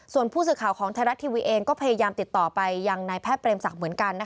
ส่วนผู้สื่อข่าวของไทยรัฐทีวีเองก็พยายามติดต่อไปยังนายแพทย์เปรมศักดิ์เหมือนกัน